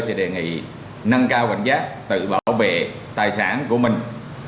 thì đề nghị nâng cao cảnh giác tự bảo vệ tài sản của mình